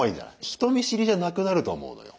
人見知りじゃなくなると思うのよ。